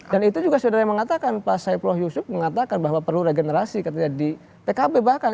dan itu juga sudah saya mengatakan pak saipuloh yusuf mengatakan bahwa perlu regenerasi di pkb bahkan